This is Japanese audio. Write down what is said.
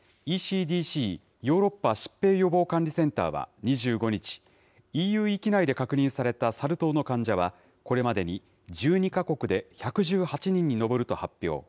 ＥＣＤＣ・ヨーロッパ疾病予防管理センターは２５日、ＥＵ域内で確認されたサル痘の患者は、これまでに１２か国で１１８人に上ると発表。